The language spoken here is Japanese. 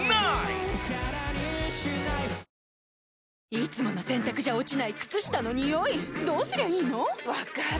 いつもの洗たくじゃ落ちない靴下のニオイどうすりゃいいの⁉分かる。